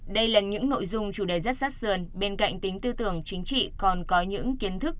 đây là những nội dung chủ đề rất sát sườn bên cạnh tính tư tưởng chính trị còn có những kiến thức